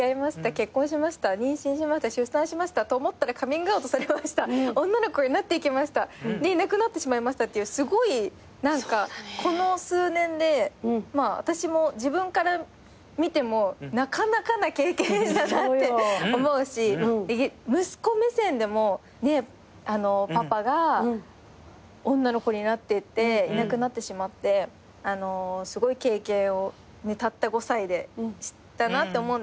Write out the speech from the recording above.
結婚しました妊娠しました出産しましたと思ったらカミングアウトされました女の子になっていきましたでいなくなってしまいましたっていうすごいこの数年で私も自分から見てもなかなかな経験だなって思うし息子目線でもパパが女の子になってっていなくなってしまってすごい経験をたった５歳でしたなって思うんですけど。